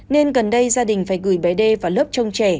nên gần đây gia đình phải gửi bé đê vào lớp trông trẻ